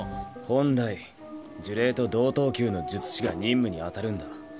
本来呪霊と同等級の術師が任務に当たるんだ。